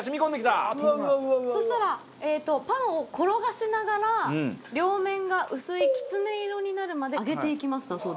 そしたらえーっとパンを転がしながら両面が薄いきつね色になるまで揚げていきますだそうです。